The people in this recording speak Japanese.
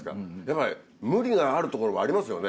やっぱり無理があるところもありますよね？